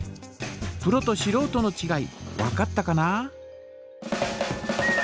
プロとしろうとのちがい分かったかな？